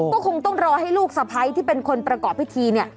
ก็คงต้องรอให้ลูกสะพ้ายที่เป็นคนประกอบพิธีเนี่ย